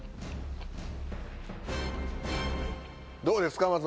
どうですか？